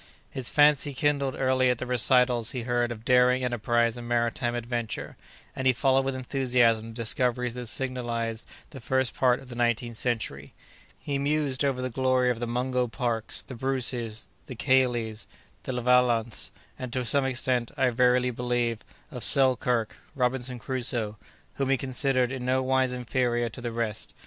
His fancy kindled early at the recitals he read of daring enterprise and maritime adventure, and he followed with enthusiasm the discoveries that signalized the first part of the nineteenth century. He mused over the glory of the Mungo Parks, the Bruces, the Caillies, the Levaillants, and to some extent, I verily believe, of Selkirk (Robinson Crusoe), whom he considered in no wise inferior to the rest.